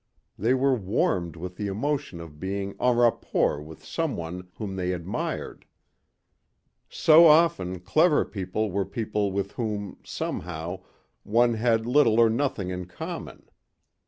They were warmed with the emotion of being en rapport with someone whom they admired. So often clever people were people with whom, somehow, one had little or nothing in common.